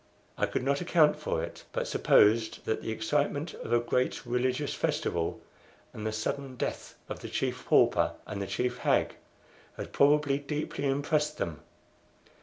I could not account for it, but supposed that the excitement of a great religious festival and the sudden death of the Chief Pauper and the Chief Hag had probably deeply impressed them.